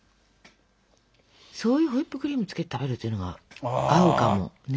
そういうホイップクリームつけて食べるっていうのが合うかもね。